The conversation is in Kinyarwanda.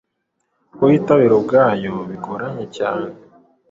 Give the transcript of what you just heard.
kuyitahura ubwabyo bigoranye cyane